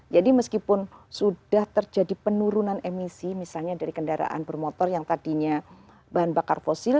jadi meskipun sudah terjadi penurunan emisi misalnya dari kendaraan bermotor yang tadinya bahan bakar fosil